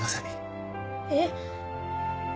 えっ？